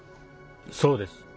そうです。